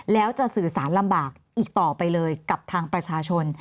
แล้วจะสื่อสารลำบากอีกต่อไปเลยกับทางประชาชน